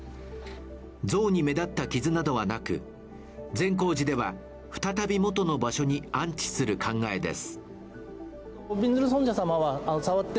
像に目立った傷などはなく善光寺では再び元の場所に安置する考えです。